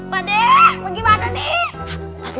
pak de bagaimana nih